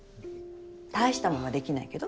たいしたものはできないけど。